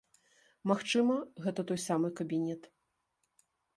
Магчыма, гэта той самы кабінет.